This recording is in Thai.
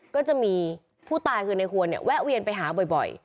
ก็จะมีผู้ตายคือในหวนเนี่ยแวะเวียนไปหาบ่อย